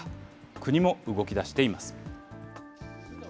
国も動きだしています。